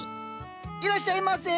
いらっしゃいませ。